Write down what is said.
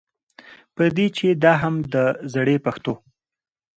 په دې چې دا هم د زړې پښتو